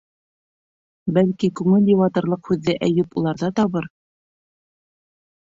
Бәлки, күңел йыуатырлыҡ һүҙҙе Әйүп уларҙа табыр?